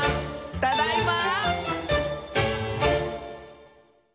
「ただいま」